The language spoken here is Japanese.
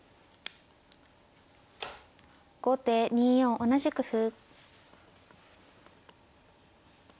後手２四同じく歩。